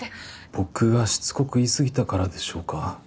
僕がしつこく言いすぎたからでしょうか。